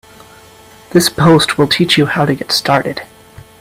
This post will teach you how to get started.